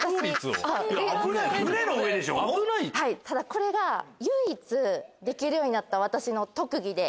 これが唯一できるようになった私の特技で。